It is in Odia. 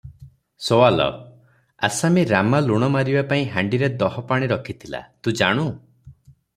ସୱାଲ - ଆସାମୀ ରାମା ଲୁଣ ମାରିବା ପାଇଁ ହାଣ୍ଡିରେ ଦହପାଣି ରଖିଥିଲା, ତୁ ଜାଣୁ?